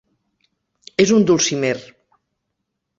És un dulcimer.